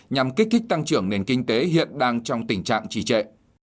nhằm kích thích tăng trưởng nền kinh tế hiện đang trong tình trạng trì trệ